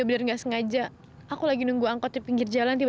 tadi waktu di jalan